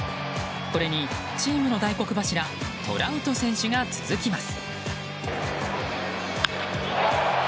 これに、チームの大黒柱トラウト選手が続きます。